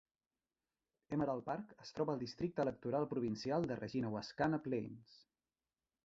Emerald Park es troba al districte electoral provincial de Regina Wascana Plains.